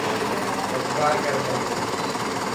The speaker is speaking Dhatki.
اعتبار ڪر مين تي.